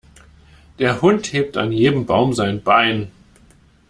Der Hund hebt an jedem Baum sein Bein.